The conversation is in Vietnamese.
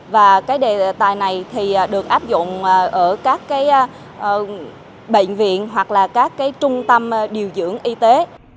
và cái đề tài này thì được áp dụng ở các bệnh viện hoặc là các cái trung tâm điều dưỡng y tế